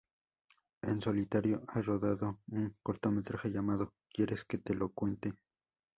En solitario ha rodado un cortometraje llamado "¿Quieres que te lo cuente?